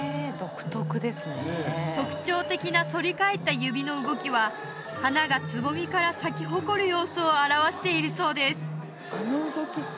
特徴的な反り返った指の動きは花がつぼみから咲き誇る様子を表しているそうです